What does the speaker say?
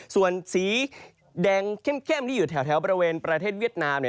ส่วนสีแดงเข้มที่อยู่แถวบริเวณประเทศเวียดนาม